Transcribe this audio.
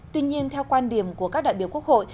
tuy nhiên theo quan điểm của các đại biểu quốc hội